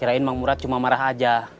kirain mang murah cuma marah aja